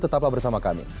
tetaplah bersama kami